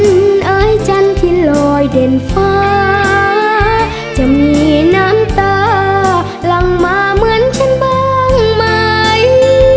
อายจันทร์ที่ลอยเด่นฟ้าจะมีน้ำตาหลังมาเหมือนฉันบ้างไหม